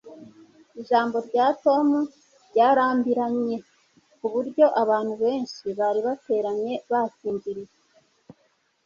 ijambo rya tom ryarambiranye ku buryo abantu benshi bari bateranye basinziriye